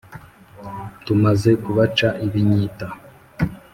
tumaze kubaca ibinyita